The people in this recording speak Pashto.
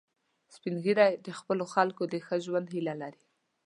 سپین ږیری د خپلو خلکو د ښه ژوند هیله لري